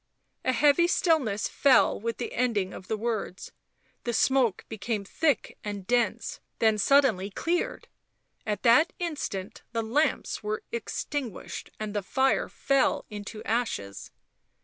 A heavy stillness fell with the ending of the words ; the smoke became thick and dense, then suddenly cleared. At that instant the lamps were extinguished and the fire fell into ashes.